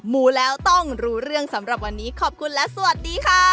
หมูแล้วต้องรู้เรื่องสำหรับวันนี้ขอบคุณและสวัสดีค่ะ